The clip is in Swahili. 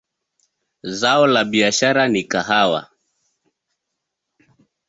Zao la biashara ni kahawa.